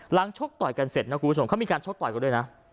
ชกต่อยกันเสร็จนะคุณผู้ชมเขามีการชกต่อยกันด้วยนะ